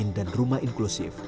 iin dan rumah inklusif